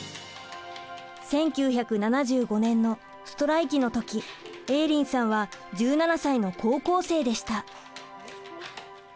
１９７５年のストライキの時エーリンさんは１７歳の高校生でした。